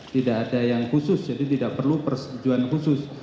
tidak ada yang khusus jadi tidak perlu persetujuan khusus